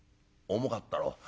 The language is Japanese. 「重かったろう」。